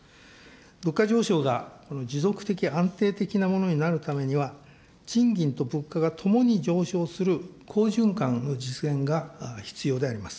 物価上昇が持続的、安定的なものになるためには、賃金と物価がともに上昇する好循環の実現が必要であります。